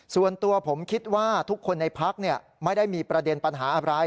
ส่วนตัวผมคิดว่าทุกคนในพักไม่ได้มีประเด็นปัญหาอะไร